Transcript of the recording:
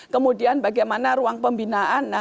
kemudian bagaimana ruang pembinaan